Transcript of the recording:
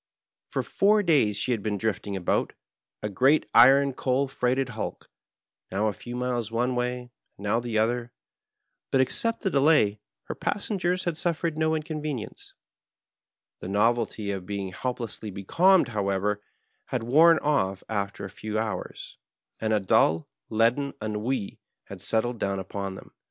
For four days she had been drifting about, a great iron coal freighted hulk, now a few miles one way and now the other ; but except the delay, her passengers had suffered no inconvenience* The novelty of being helplessly becalmed, however, had worn off after a few hours, and a dull, leaden ennui had settled down upon them.